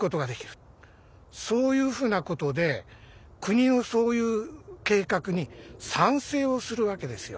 そういうふうなことで国のそういう計画に賛成をするわけですよ。